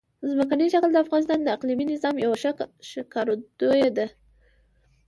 ځمکنی شکل د افغانستان د اقلیمي نظام یوه ښه ښکارندوی ده.